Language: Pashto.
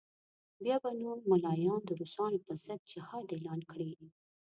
بیا به نو ملایان د روسانو پر ضد جهاد اعلان کړي.